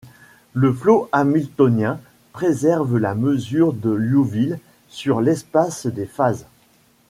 Le flot hamiltonien préserve la mesure de Liouville sur l'espace des phases.